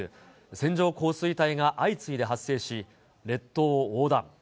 線状降水帯が相次いで発生し、列島を横断。